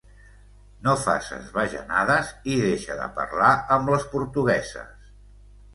No faces bajanades i deixa de parlar amb les portugueses.